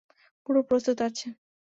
পুরো প্রস্তুত আছে।